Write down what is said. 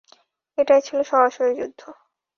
এটা ছিল সরাসরি যুদ্ধ।